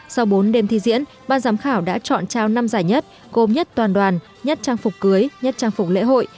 sau bốn đêm thi diễn ban giám khảo đã chọn trao năm giải nhất gồm nhất toàn đoàn nhất trang phục cưới nhất trang phục lễ hội